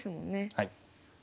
はい。